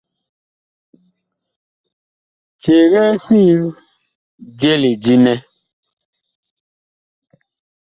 Cegee sig je lidi nɛ.